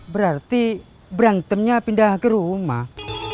berarti berantemnya pindah ke rumah